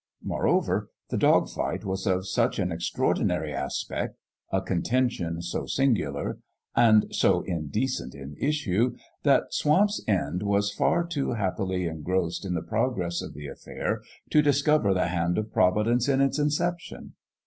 Moreover, the dog fight was of such an extraordinary aspect a contention so singular and so indecent in issue that Swamp's End was The STRANGER at SWAMP'S END 15 far too happily engrossed in the progress of the affair to discover the hand of Providence in its inception.